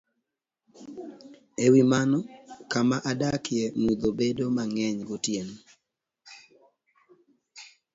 E wi mano, kama adakie mudho bedo mang'eny gotieno,